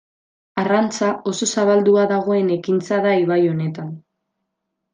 Arrantza, oso zabaldua dagoen ekintza da ibai honetan.